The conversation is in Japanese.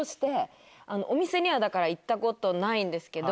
お店にはだから行ったことないんですけど。